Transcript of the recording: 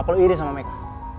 apa lo iri sama mereka